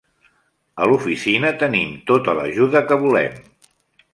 A l'oficina tenim tota l'ajuda que volem.